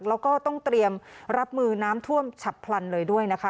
แล้วก็ต้องเตรียมรับมือน้ำท่วมฉับพลันเลยด้วยนะคะ